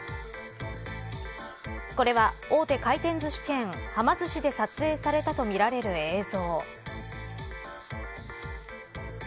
これは大手回転ずしチェーンはま寿司で撮影されたとみられる映像。